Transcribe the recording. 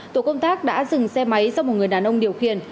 tổ công tác đã dừng xe máy do một người đàn ông điều khiển